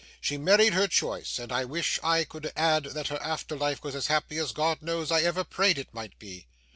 She married her choice; and I wish I could add that her after life was as happy as God knows I ever prayed it might be!